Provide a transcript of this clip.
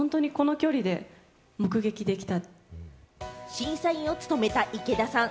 審査員を務めた池田さん。